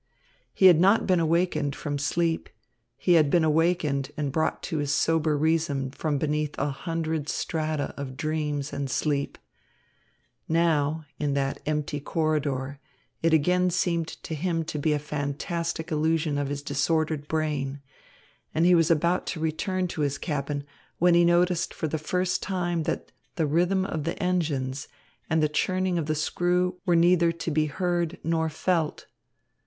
He had not been awakened from sleep; he had been awakened and brought to his sober reason from beneath a hundred strata of dreams and sleep. Now, in that empty corridor, it again seemed to him to be a fantastic illusion of his disordered brain; and he was about to return to his cabin, when he noticed for the first time that the rhythm of the engines and the churning of the screw were neither to be heard nor felt.